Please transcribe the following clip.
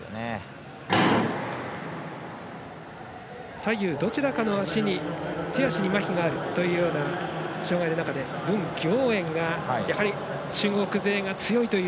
左右どちらかの足に手足にまひがあるというような障がいの中で文暁燕が、やはり中国勢強い。